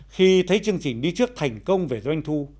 khi thấy chương trình đi trước thành công về doanh thu